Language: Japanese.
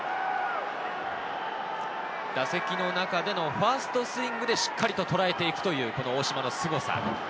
打席の中でのファーストスイングでしっかりととらえていくという大島のすごさ。